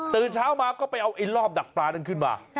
เช้ามาก็ไปเอาไอ้รอบดักปลานั้นขึ้นมา